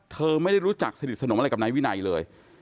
เธอไม่ได้รู้จักสนิทสนมอะไรกับนายวินัยเลย